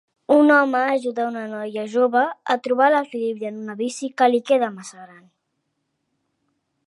Un home ajuda una noia jove a trobar l'equilibri en una bici que li queda massa gran.